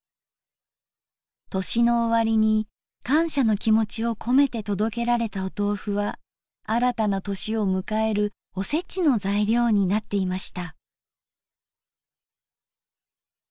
年の終わりに感謝の気持ちを込めて届けられたおとうふは新たな年を迎えるおせちの材料になっていました。